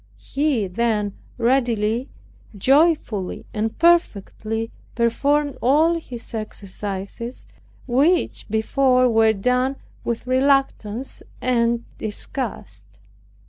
He then readily, joyfully, and perfectly performed all his exercises, which before were done with reluctance and disgust.